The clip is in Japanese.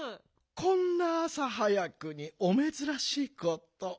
こんなあさはやくにおめずらしいこと。